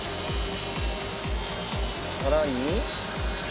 さらに。